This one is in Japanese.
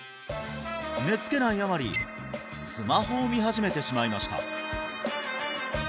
寝つけないあまりスマホを見始めてしまいました